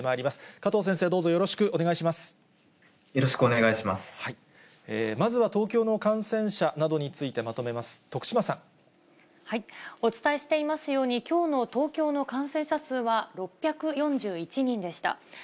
まずは、東京の感染者などにお伝えしていますように、きょうの東京の感染者数は６４１人でした。